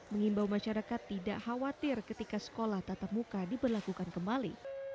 mengimbau masyarakat tidak khawatir ketika sekolah tatap muka diberlakukan kembali